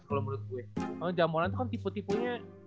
kalau jamoran kan tipu tipunya